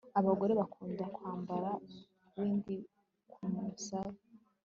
abagore bakundaga kwambara bindi kumusaya